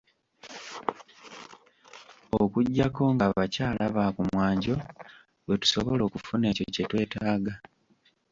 Okuggyako ng’abakyala ba kumwanjo lwe tusobola okufuna ekyo kye twetaaga.